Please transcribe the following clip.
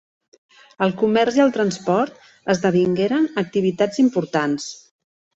El comerç i el transport esdevingueren activitats importants.